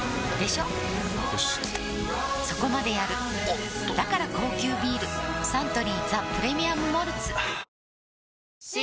しっそこまでやるおっとだから高級ビールサントリー「ザ・プレミアム・モルツ」はあー新！